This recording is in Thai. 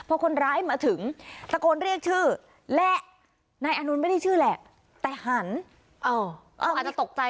อาจจะตกใจไงเอ้ยใครเสียงดังอะไร